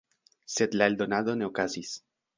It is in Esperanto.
Sed la eldonado ne okazis.